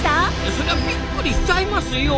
そりゃびっくりしちゃいますよ。